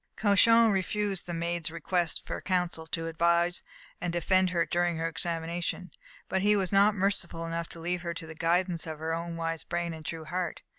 Cauchon refused the Maid's just request for counsel to advise and defend her during her examination. But he was not merciful enough to leave her to the guidance of her own wise brain and true heart.